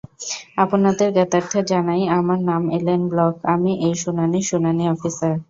আপনাদের জ্ঞাতার্থে জানাই, আমার নাম এলেন ব্লক, আমি এই শুনানির শুনানি অফিসার।